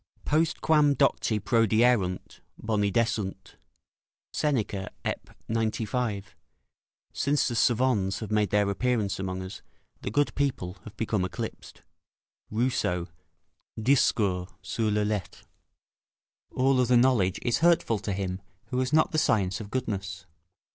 "Postquam docti prodierunt, boni desunt." [Seneca, Ep., 95. "Since the 'savans' have made their appearance among us, the good people have become eclipsed." Rousseau, Discours sur les Lettres.] All other knowledge is hurtful to him who has not the science of goodness.